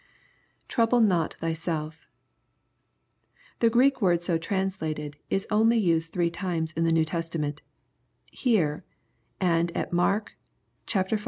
[Trovhle not thyself.] The Greek word so translated is only used three times in the New Testament : here, and at Mark v.